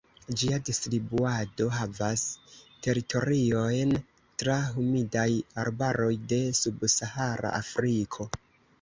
Ĝia distribuado havas teritoriojn tra humidaj arbaroj de subsahara Afriko.